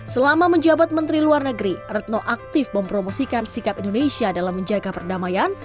selama menjabat menteri luar negeri retno aktif mempromosikan sikap indonesia dalam menjaga perdamaian